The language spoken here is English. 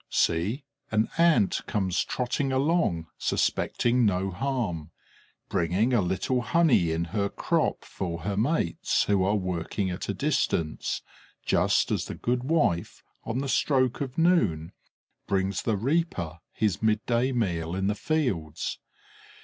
See, an Ant comes trotting along, suspecting no harm, bringing a little honey in her crop for her mates, who are working at a distance, just as the goodwife, on the stroke of noon, brings the reaper his midday meal in the fields.